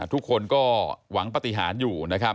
ทุกคนก็หวังปฏิหารอยู่